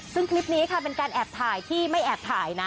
ซึ่งคลิปนี้ค่ะเป็นการแอบถ่ายที่ไม่แอบถ่ายนะ